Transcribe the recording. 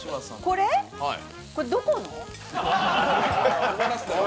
これ、どこの？